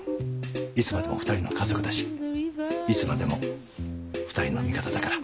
いつまでも２人の家族だしいつまでも２人の味方だから。